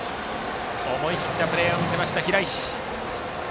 思い切ったプレーを見せました平石。